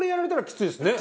きついですね。